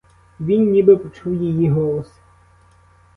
Він ніби почув її голос.